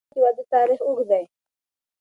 په افغانستان کې د وادي تاریخ اوږد دی.